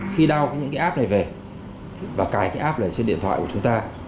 khi đao những cái app này về và cài cái app này trên điện thoại của chúng ta